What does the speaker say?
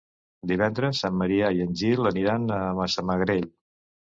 Divendres en Maria i en Gil aniran a Massamagrell.